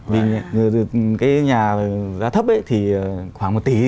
vì cái nhà giá thấp thì khoảng một tí